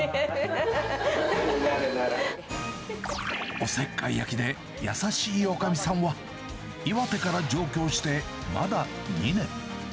おせっかい焼きで、優しいおかみさんは、岩手から上京してまだ２年。